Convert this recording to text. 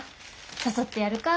誘ってやるか。